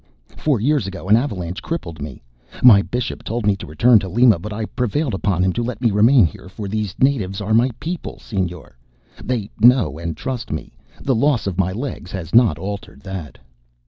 Four years ago an avalanche crippled me. My bishop told me to return to Lima, but I prevailed on him to let me remain here for these natives are my people, Señor. They know and trust me. The loss of my legs has not altered that."